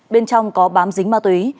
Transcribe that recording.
bên trong có bám dính ma túy